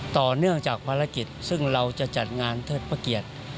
ต่อเนื่องจากภารกิจซึ่งเราจะจัดงานเทิดพระเกียรติ